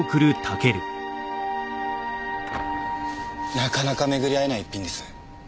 なかなか巡り合えない逸品です。